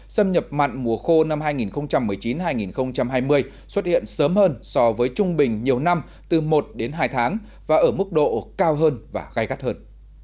xâm nhập mặn mùa khô năm hai nghìn một mươi chín hai nghìn hai mươi xuất hiện sớm hơn so với trung bình nhiều năm từ một đến hai tháng và ở mức độ cao hơn và gai gắt hơn